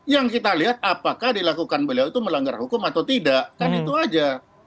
yang kita lihat apakah dilakukan beliau itu melanggar hukum atau tidak kan itu aja